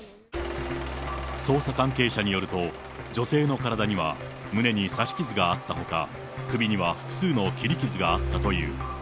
捜査関係者によると、女性の体には胸に刺し傷があったほか、首には複数の切り傷があったという。